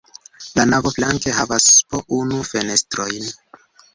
La navo flanke havas po unu fenestrojn.